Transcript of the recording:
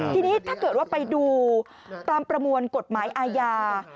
ทีนี้ถ้าเกิดว่าไปดูตามประมวลกฎหมายอาญา